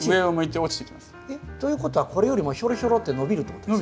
えっということはこれよりもヒョロヒョロって伸びるってことですか？